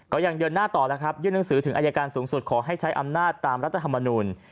ยังเดินหน้าต่อแล้วครับยื่นหนังสือถึงอายการสูงสุดขอให้ใช้อำนาจตามรัฐธรรมนูล